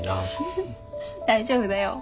フフ大丈夫だよ。